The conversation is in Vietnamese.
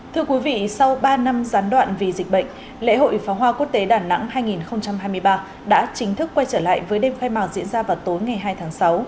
thưa quý vị sau ba năm gián đoạn vì dịch bệnh lễ hội pháo hoa quốc tế đà nẵng hai nghìn hai mươi ba đã chính thức quay trở lại với đêm khai mạc diễn ra vào tối ngày hai tháng sáu